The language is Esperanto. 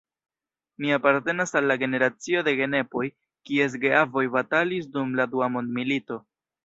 Mi apartenas al la generacio de genepoj, kies geavoj batalis dum la dua mondmilito.